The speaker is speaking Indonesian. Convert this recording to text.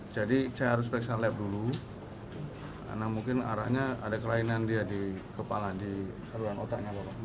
jadi saya harus periksa lab dulu karena mungkin arahnya ada kelainan dia di kepala di saluran otaknya